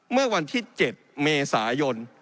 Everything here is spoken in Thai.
เมื่อวันที่๗เมษายน